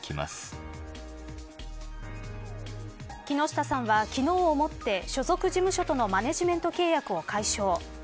木下さんは、昨日をもって所属事務所とのマネジメント契約を解消。